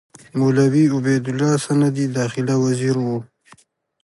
مولوي عبیدالله سندي داخله وزیر وو.